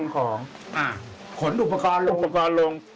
ขนอุปกรณ์ลง